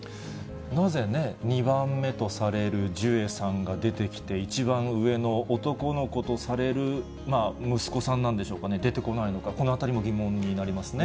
なぜね、２番目とされるジュエさんが出てきて、一番上の男の子とされる息子さんなんでしょうかね、出てこないのか、このあたりも疑問になりますね。